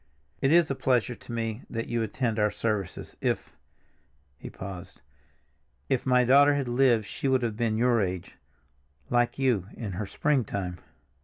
"It is a pleasure to me that you attend our services. If—" he paused, "if my daughter had lived she would have been your age—like you, in her springtime."